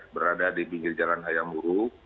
berada di pinggir jalan hayamuru